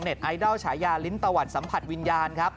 ไอดอลฉายาลิ้นตะวันสัมผัสวิญญาณครับ